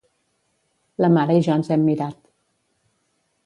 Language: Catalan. La mare i jo ens hem mirat.